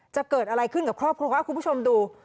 จะเกิดอะไรขึ้นกับครอบครัวคุณผู้ชมดู